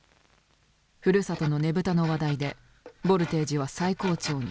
ふるさとのねぶたの話題でボルテージは最高潮に。